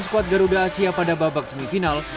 skuad garuda asia pada babak semifinal